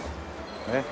ねっ。